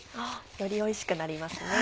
よりおいしくなりますね。